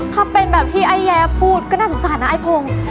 ถ้าเป็นแบบที่ไอ้แย้พูดก็น่าสงสารนะไอ้พงศ์